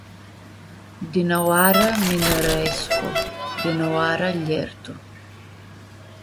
Dinãoarã mi-nãrãescu, dinãoarã ljertu.